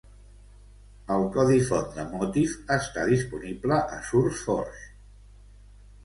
El codi font de Motif està disponible a SourceForge.